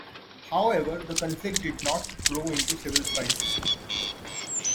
However, the conflict did not grow into civil strife.